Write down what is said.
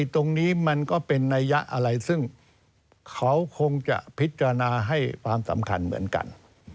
ตรงนี้มันก็เป็นนัยยะอะไรซึ่งเขาคงจะพิจารณาให้ความสำคัญเหมือนกัน